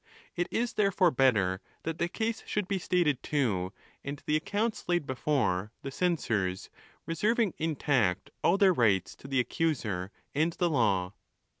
It is therefore better, that the case should be stated to, and the accounts laid before, the censors, reserving intact all their rights to the accuser and the law.